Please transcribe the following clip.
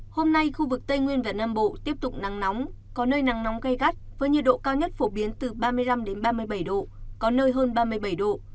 hôm nay khu vực tây nguyên và nam bộ tiếp tục nắng nóng có nơi nắng nóng gai gắt với nhiệt độ cao nhất phổ biến từ ba mươi năm ba mươi bảy độ có nơi hơn ba mươi bảy độ